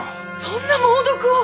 そんな猛毒を！